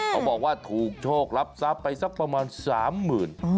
เขาบอกว่าถูกโชครับทรัพย์ไปสักประมาณ๓๐๐๐บาท